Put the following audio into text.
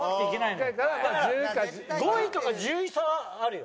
だから５位とか１０位差はあるよ。